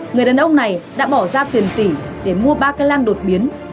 người đàn ông này đã bỏ ra tiên tỷ để mua ba cây lan đột biến